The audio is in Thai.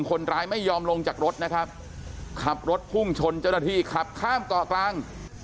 คนร้ายไม่ยอมลงจากรถนะครับขับรถพุ่งชนเจ้าหน้าที่ขับข้ามเกาะกลาง